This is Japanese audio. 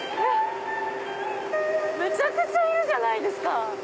めちゃくちゃいるじゃないですか！